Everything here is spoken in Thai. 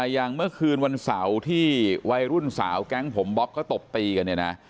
อย่างเมื่อคืนวันเสาร์ที่วัยรุ่นสาวแก๊งผมบ๊อบเขาตบตีกันเนี่ยนะ